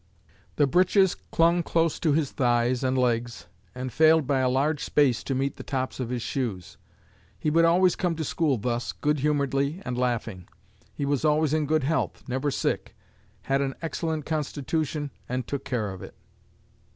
The breeches clung close to his thighs and legs, and failed by a large space to meet the tops of his shoes. He would always come to school thus, good humoredly and laughing. He was always in good health, never sick, had an excellent constitution and took care of it."